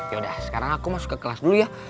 yaudah sekarang aku masuk ke kelas dulu ya